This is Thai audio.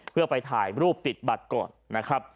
เพื่อไปถ่ายรูปติดบัตรก่อนนะครับ